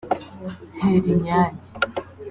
Herinyange